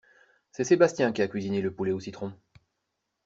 C’est Sébastien qui a cuisiné le poulet au citron.